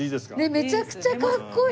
めちゃくちゃかっこいい。